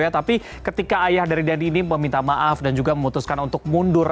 tapi ketika ayah dari dandi ini meminta maaf dan juga memutuskan untuk mundur